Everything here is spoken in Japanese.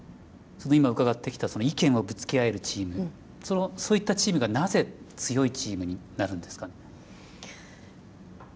今伺ってきた意見をぶつけ合えるチームそういったチームがなぜ強いチームになるんですかね？